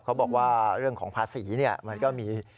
เขาบอกว่าเรื่องของภาษีมันก็มี